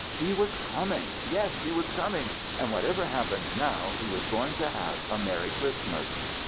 She was coming ; yes, she was coming, and whatever happened now, he was going to have a merry Christmas.